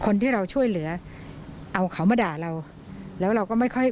คนที่เราช่วยเหลือเอาเขามาด่าเราแล้วเราก็ไม่ค่อย